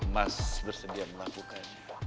mas bersedia melakukannya